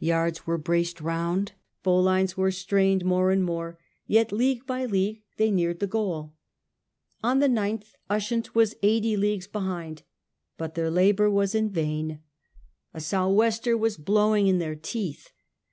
Yards were braced round, bowlines were strained more and more, yet league by league they neared the goal. On the 9th Ushant was eighty leagues behind, but their labour was in vain — a south wester was blowing in their teeth.